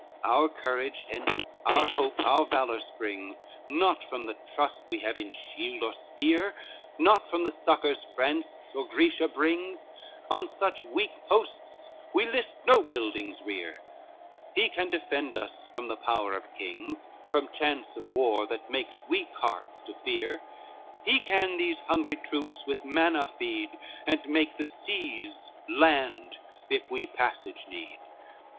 LXXXV "Our courage hence, our hope, our valor springs, Not from the trust we have in shield or spear, Not from the succors France or Grecia brings, On such weak posts we list no buildings rear: He can defend us from the power of kings, From chance of war, that makes weak hearts to fear; He can these hungry troops with manna feed, And make the seas land, if we passage need.